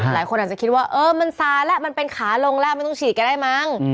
หลายคนอาจจะคิดว่าเออมันซาแล้วมันเป็นขาลงแล้วไม่ต้องฉีดแกได้มั้ง